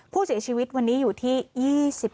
ผู้เสียชีวิตวันนี้อยู่ที่๒๕